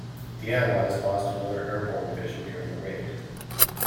The allies lost another airborne division during the raid.